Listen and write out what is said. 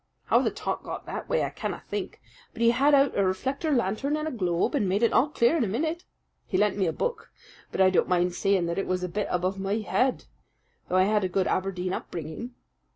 How the talk got that way I canna think; but he had out a reflector lantern and a globe, and made it all clear in a minute. He lent me a book; but I don't mind saying that it was a bit above my head, though I had a good Aberdeen upbringing.